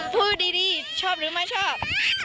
พูดดีชอบหรือไม่ชอบ